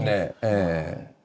ええ。